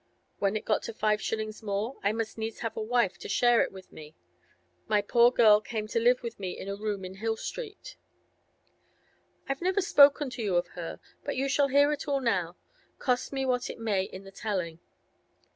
When it got to five shillings more, I must needs have a wife to share it with me. My poor girl came to live with me in a room in Hill Street. I've never spoken to you of her, but you shall hear it all now, cost me what it may in the telling.